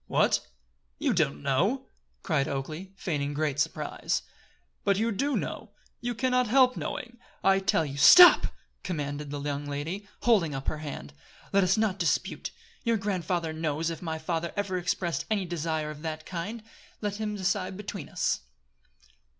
"What! You don't know?" cried Oakleigh, feigning great surprise. "But you do know. You can not help knowing. I tell you " "Stop!" commanded the young lady, holding up her hand. "Let us not dispute. Your grandfather knows if my father ever expressed any desire of that kind. Let him decide between us."